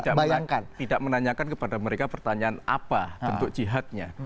nah kita memang tidak menanyakan kepada mereka pertanyaan apa bentuk jihadnya